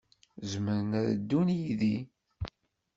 Zemren ad ddun yid-i.